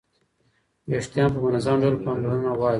ویښتان په منظم ډول پاملرنه غواړي.